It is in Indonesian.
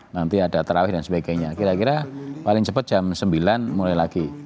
nanti ada terawih dan sebagainya kira kira paling cepat jam sembilan mulai lagi